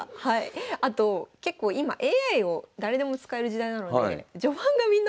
あと結構今ＡＩを誰でも使える時代なのでえ。